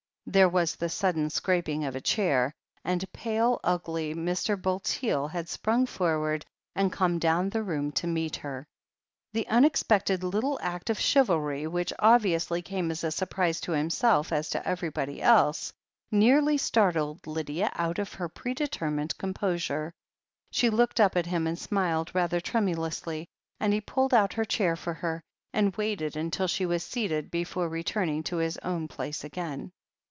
There was the sudden scraping of a chair, and pale, ugly Mr. Bulteel had sprung forward, and come down the room to meet her. The unexpected little act of chivalry, which obviously came as a surprise to himself as to everybody else, nearly startled Lydia out of her predetermined com posure. She looked up at him and smiled rather tremulously, and he pulled out her chair for her, and waited until she was seated before returning to his own place again.